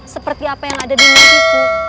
seperti apa yang ada di negeriku